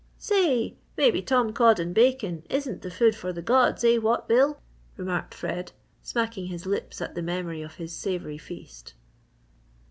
"Say, maybe tom cod and bacon isn't the food for the gods! eh what, Bill!" remarked Fred, smacking his lips at the memory of his savoury feast.